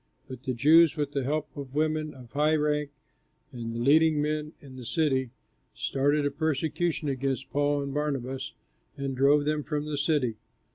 But the Jews, with the help of women of high rank and the leading men in the city, started a persecution against Paul and Barnabas and drove them from the city.